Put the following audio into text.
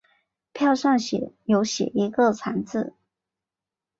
票上有写一个惨字